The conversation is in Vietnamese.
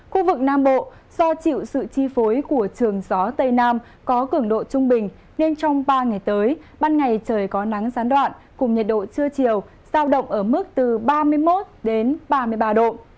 khu vực nam bộ do chịu sự chi phối của trường gió tây nam có cường độ trung bình nên trong ba ngày tới ban ngày trời có nắng gián đoạn cùng nhiệt độ trưa chiều giao động ở mức từ ba mươi một ba mươi ba độ